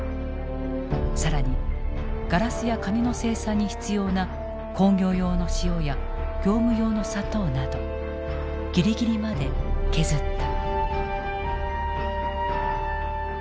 更にガラスや紙の生産に必要な工業用の塩や業務用の砂糖などギリギリまで削った。